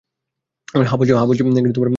হ্যাঁ, বলছি।